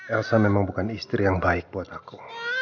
elsa memang bukan istri yang baik buat aku